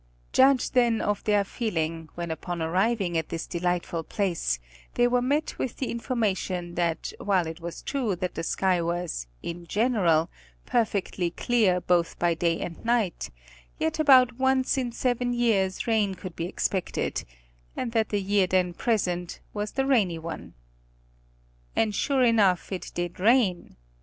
Judge then of their feeling, when upon arriving at this delightful place, they were met with the information that while it was true that the sky was, in general, perfectly clear both by night and day, yet about once in seven years, rain could be expected, and that the year then present was the rainy one. And sure enough it did rain.